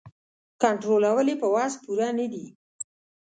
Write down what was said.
کنټرولول یې په وس پوره نه دي.